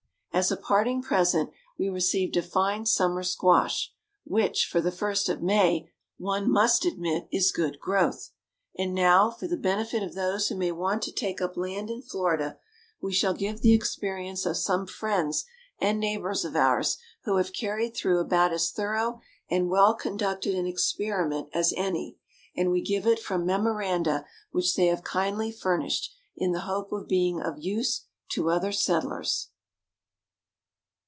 As a parting present, we received a fine summer squash, which, for the first of May, one must admit is good growth. And now, for the benefit of those who may want to take up land in Florida, we shall give the experience of some friends and neighbors of ours who have carried through about as thorough and well conducted an experiment as any; and we give it from memoranda which they have kindly furnished, in the hope of being of use to other settlers.